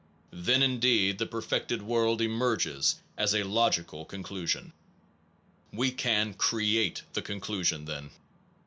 Then indeed the perfected world emerges as a logical conclusion, We can create the conclusion, then.